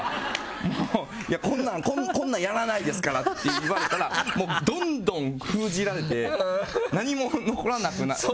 もう、こんなんやらないですからって言われたらどんどん封じられて何も残らなくなる。